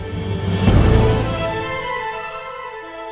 kamu sudah sampai jatuh